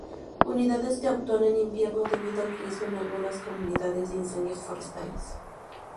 Unidades que actúan en invierno debido al riesgo en algunas comunidades de incendios forestales.